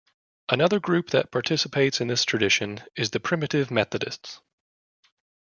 Another group that participates in this tradition is the Primitive Methodists.